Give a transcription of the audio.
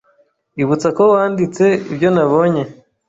Ibutsa ko wanditse ibyo nabonye